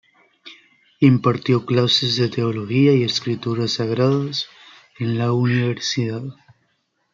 Impartió clases de teología y escrituras sagradas en la Universidad.